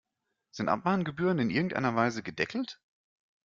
Sind Abmahngebühren in irgendeiner Weise gedeckelt?